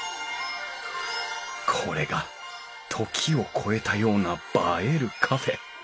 これが「時を超えたような映えるカフェ」